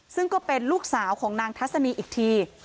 ซึ่งก็เป็นลูกสาวของนางทัศนีอีกที